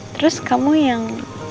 terus kamu yang